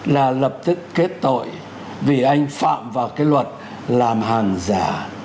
là lập tức kết tội vì anh phạm vào cái luật làm hàng giả